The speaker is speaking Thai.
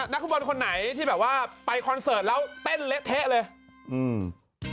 นักฟุตบอลคนไหนที่แบบว่าไปคอนเสิร์ตแล้วเต้นเละเทะเลยอืม